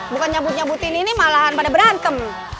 bukan nyambut nyambutin ini malahan pada berantem